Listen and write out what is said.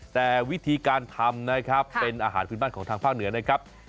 แต่วิธีการทำนะครับเป็นอาหารพื้นบ้านของทางภาคเหนือนะครับ